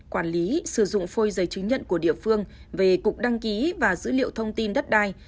quản lý sử dụng phôi giấy chứng nhận của địa phương về cục đăng ký và dữ liệu thông tin đất đai